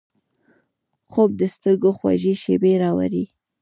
خوب د سترګو خوږې شیبې راوړي